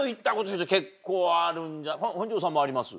本上さんもあります？